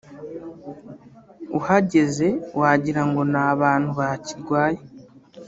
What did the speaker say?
uhageze wagira ngo ni abantu bakirwaye